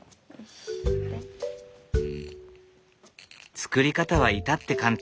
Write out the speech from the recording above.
作り方は至って簡単。